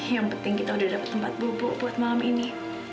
yang penting kita udah dapat tempat bubuk buat malam ini